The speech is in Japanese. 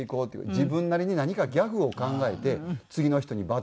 自分なりに何かギャグを考えて次の人にバトンを渡す。